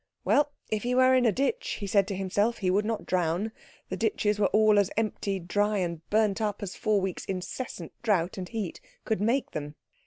Well, if he were in a ditch, he said to himself, he would not drown; the ditches were all as empty, dry, and burnt up as four weeks' incessant drought and heat could make them.